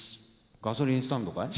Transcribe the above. ガソリンスタンドかい？